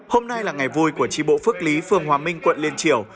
hôm nay là ngày vui của trí bộ phước lý phương hòa minh quận liên triều